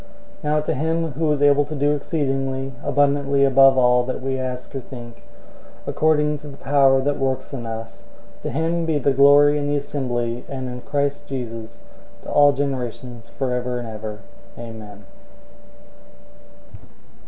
003:020 Now to him who is able to do exceedingly abundantly above all that we ask or think, according to the power that works in us, 003:021 to him be the glory in the assembly and in Christ Jesus to all generations forever and ever. Amen.